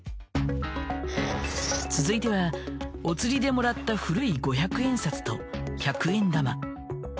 続いてはお釣りでもらった古い五百円札と百円玉。